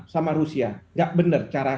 sama rusia tidak benar cara